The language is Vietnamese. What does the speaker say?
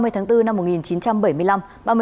hai mươi tháng bốn năm một nghìn chín trăm bảy mươi năm